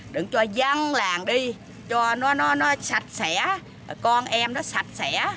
đừng cho dân làng đi cho nó sạch sẽ con em nó sạch sẽ